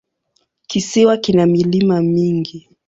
Kisiwa kina milima mingi.